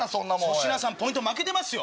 粗品さんポイント負けてますよ。